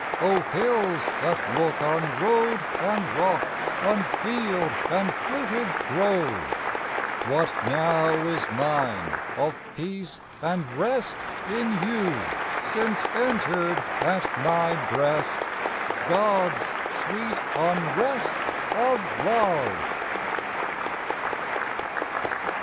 O hills, that look on road and rock, On field and fruited grove, What now is mine of peace and rest In you! since entered at my breast God's sweet unrest of love!